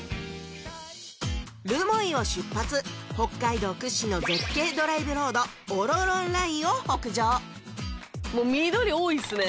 留萌を出発北海道屈指の絶景ドライブロード「オロロンライン」を北上緑多いっすね